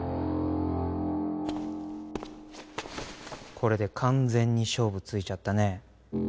これで完全に勝負ついちゃったね。